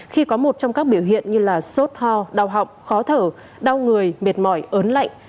khi có một trong các biểu hiện như sốt ho đau họng khó thở đau người mệt mỏi ớn lạnh